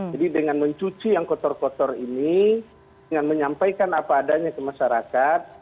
jadi dengan mencuci kain kain kotor ini dengan menyampaikan apa adanya kepada masyarakat